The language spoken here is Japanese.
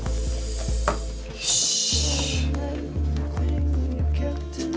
よし。